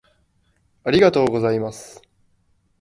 「ありがとうございます」